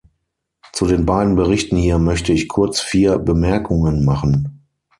Zu den beiden Berichten hier möchte ich kurz vier Bemerkungen machen.